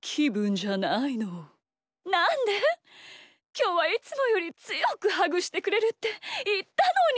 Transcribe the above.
きょうはいつもよりつよくハグしてくれるっていったのに！